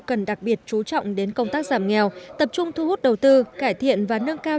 cần đặc biệt chú trọng đến công tác giảm nghèo tập trung thu hút đầu tư cải thiện và nâng cao